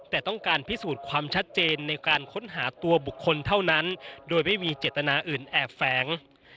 แต่ต้องการพิสูจน์ความชัดเจนในการค้นหาตัวบุคคลเท่านั้นโดยไม่มีเจตนาอื่นแอบแฝง